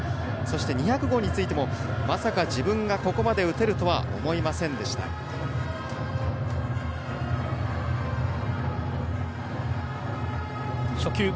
２００号についてもまさか自分がここまで打てると思いませんでしたということです。